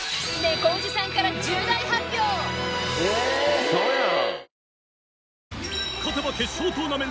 ウソやん！